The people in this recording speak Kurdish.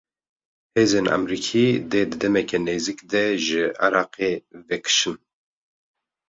Hêzên Emerîkî, dê di demeke nêzik de ji Iraqê vekişin